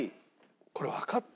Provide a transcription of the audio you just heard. これわかった。